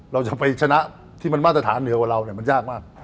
เราจะไปชนะที่มันมาตรฐานเหนือกว่าเรามันยากมาก